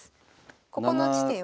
ここの地点を。